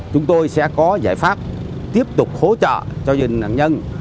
chúng tôi sẽ có giải pháp tiếp tục hỗ trợ cho gia đình nạn nhân